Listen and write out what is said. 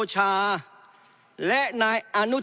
แต่อันนี้อย่างร้ายแรงครับ